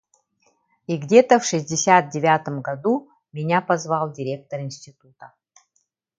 И где-то в шестьдесят девятом году меня позвал директор института.